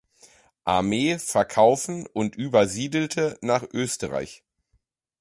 Armee verkaufen und übersiedelte nach Österreich.